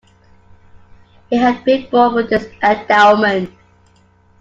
He had been born with this endowment.